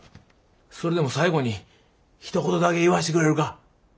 それでも最後にひと言だけ言わしてくれるか。